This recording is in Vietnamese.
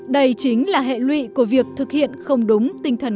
đây chính là hệ lụy của việc thực hiện không đúng tinh thần